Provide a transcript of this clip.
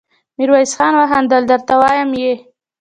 ميرويس خان وخندل: درته وايم يې!